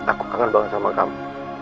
aku kangen banget sama kamu